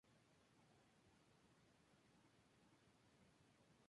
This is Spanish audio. Es un referente en la historia del club Rampla.